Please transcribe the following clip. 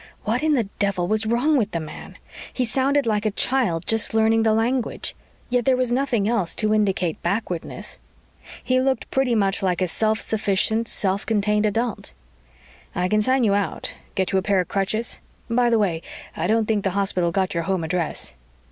What in the devil was wrong with the man? He sounded like a child just learning the language. Yet there was nothing else to indicate backwardness. He looked pretty much like a self sufficient, self contained adult. "I can sign you out get you a pair of crutches. By the way, I don't think the hospital got your home address."